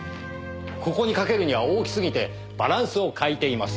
ここに掛けるには大きすぎてバランスを欠いています。